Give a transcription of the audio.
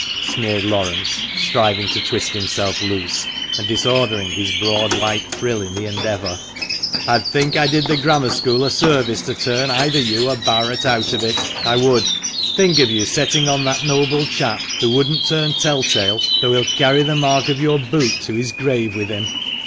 sneered Laurence, striving to twist himself loose, and disordering his broad white frill in the endeavour. " I'd think I did the Grammar School a service to turn either you or Barret out of it, I would ! Think of you setting on that noble chap who wouldn't turn tell tale, though he'll carry the mark of your boot to his grave with him